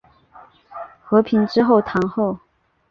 和平之后堂后。